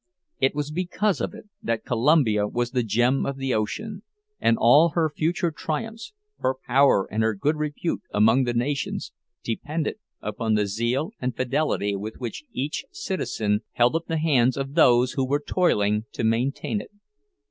It was because of it that Columbia was the gem of the ocean; and all her future triumphs, her power and good repute among the nations, depended upon the zeal and fidelity with which each citizen held up the hands of those who were toiling to maintain it.